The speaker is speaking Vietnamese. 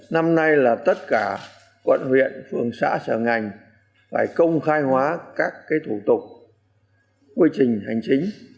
năm nay là tất cả quận huyện phường xã sở ngành phải công khai hóa các thủ tục quy trình hành chính